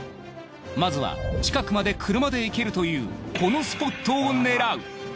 まずは近くまで車で行けるというこのスポットを狙う。